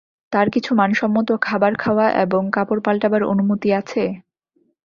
তার কিছু মানসম্মত খাবার খাওয়া এবং কাপড় পাল্টাবার অনুমতি আছে?